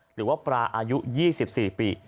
หรือว่าปลาอายุ๒๔ปี